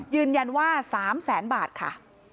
ยืนยันว่า๓แสนบาทค่ะ